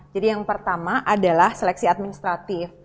jadi yang pertama adalah seleksi administratif